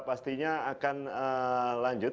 jadi kita akan lanjut